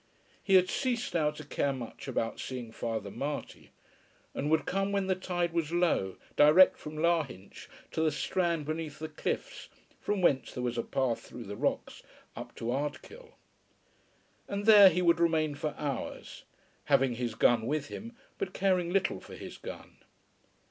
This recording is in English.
He had ceased now to care much about seeing Father Marty, and would come, when the tide was low, direct from Lahinch to the strand beneath the cliffs, from whence there was a path through the rocks up to Ardkill. And there he would remain for hours, having his gun with him, but caring little for his gun.